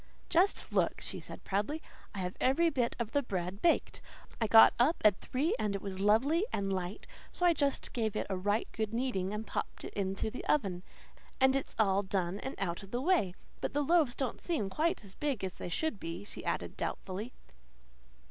"Just look," she said proudly. "I have every bit of the bread baked. I got up at three, and it was lovely and light, so I just gave it a right good kneading and popped it into the oven. And it's all done and out of the way. But the loaves don't seem quite as big as they should be," she added doubtfully.